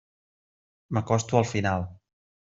M'acosto al final.